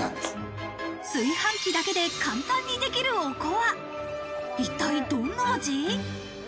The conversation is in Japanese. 炊飯器だけで簡単にできる、おこわは一体どんな味？